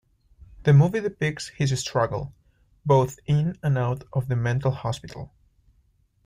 The movie depicts his struggle, both in and out of the mental hospital.